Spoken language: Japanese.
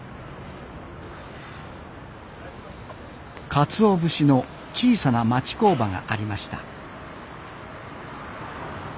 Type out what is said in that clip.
かつお節の小さな町工場がありました。